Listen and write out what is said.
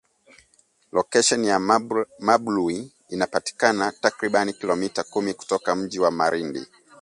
Lokesheni ya Mambrui inapatikana takribani kilomita kumi kutoka mji wa Malindi